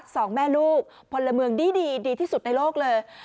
สองแม่ลูกพลเมืองดีดีที่สุดในโลกเลย